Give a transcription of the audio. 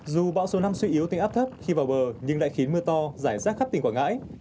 dù bão số năm suy yếu thành áp thấp khi vào bờ nhưng lại khiến mưa to giải rác khắp tỉnh quảng ngãi